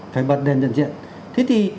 phải bật đèn dần diện thế thì